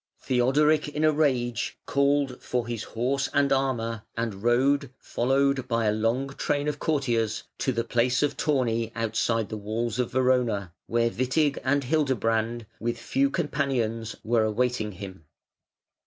Theodoric in a rage called for his horse and armour and rode, followed by a long train of courtiers, to the place of tourney outside the walls of Verona, where Witig and Hildebrand, with few companions, were awaiting him.